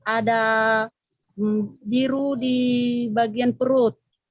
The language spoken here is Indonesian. ada biru di bagian perut